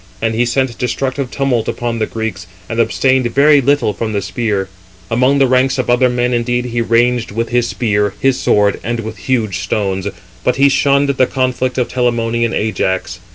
And he sent destructive tumult upon the Greeks, and abstained very little from the spear. Among the ranks of other men indeed he ranged with his spear, his sword, and with huge stones; but he shunned the conflict of Telamonian Ajax.